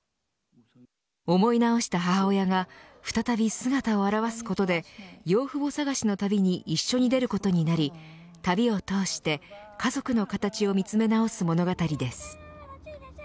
思い直した母親が再び姿を現すことで養父母探しの旅に一緒に出ることになり旅を通して家族の形を見つめ直す物語です。